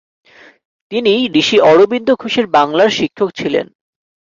তিনি ঋষি অরবিন্দ ঘোষের বাংলার শিক্ষক ছিলেন।